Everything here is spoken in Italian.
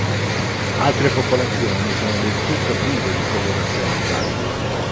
Altre popolazioni sono del tutto prive di colorazione gialla.